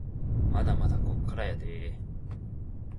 まだまだこっからやでぇ